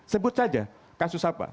sebut saja kasus apa